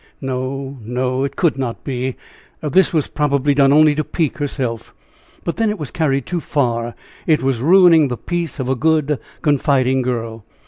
No, no, it could not be! This was probably done only to pique herself; but then it was carried too far; it was ruining the peace of a good, confiding girl.